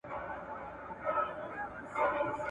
محتسب په سترګو ړوند وي په غضب یې ګرفتار کې ,